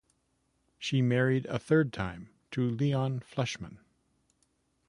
She married a third time, to Leon Fleischman.